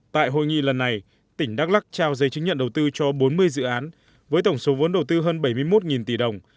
tại hội nghị lần này tỉnh đắk lắc trao giấy chứng nhận đầu tư cho bốn mươi dự án với tổng số vốn đầu tư hơn bảy mươi một tỷ đồng